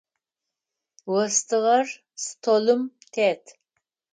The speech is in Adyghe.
Остыгъэр столым тет.